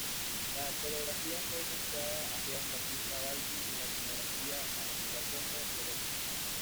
La coreografía fue confiada a Giovan Battista Balbi y la escenografía a Giacomo Torelli.